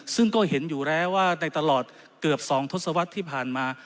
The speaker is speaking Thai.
ซึ่งก็เห็นอยู่แล้วว่าในตลอดเกือบ๒ทศวรรษที่ผ่านมา